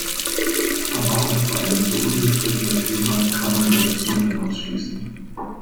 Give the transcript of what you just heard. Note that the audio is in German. Aber auch bei einem so unbestrittenen Thema kann man über das Ziel hinausschießen.